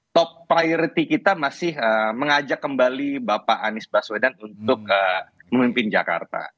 top priority kita masih mengajak kembali bapak anies baswedan untuk memimpin jakarta